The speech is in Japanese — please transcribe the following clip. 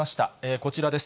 こちらです。